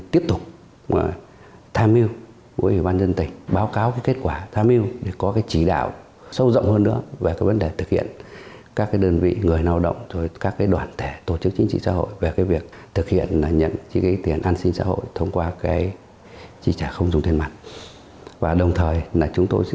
tiếp tục tham hiu với ủy ban dân tỉnh báo cáo kết quả tham mưu để có cái chỉ đạo sâu rộng hơn nữa về vấn đề thực hiện các đơn vị người lao động các đoàn thể tổ chức chính trị xã hội về việc thực hiện nhận tiền an sinh xã hội thông qua chi trả không dùng tiền mặt